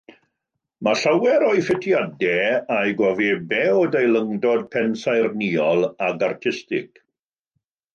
Mae llawer o'i ffitiadau a'i gofebau o deilyngdod pensaernïol ac artistig.